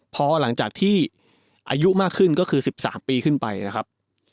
พอหลังจากที่อายุมากขึ้นก็คือ๑๓ปีขึ้นไปนะครับ